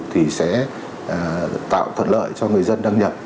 thì sẽ tạo thuận lợi cho người dân đăng nhập